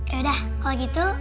yaudah kalau gitu